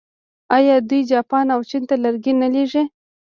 آیا دوی جاپان او چین ته لرګي نه لیږي؟